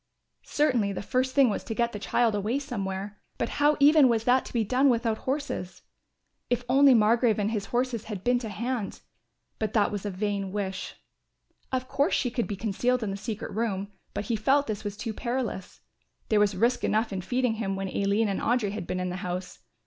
Certainly the first thing was to get the child away somewhere, but how even was that to be done without horses? If only Margrove and his horses had been to hand! But that was a vain wish. Of course she could be concealed in the secret room, but he felt this was too perilous. There was risk enough in feeding him when Aline and Audry had been in the house.